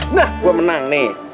nah gue menang nih